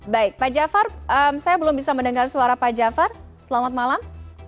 baik pak jafar saya belum bisa mendengar suara pak jafar selamat malam